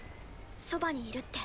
そばにいるって。